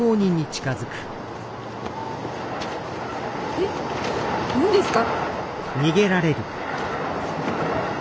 えっ何ですか？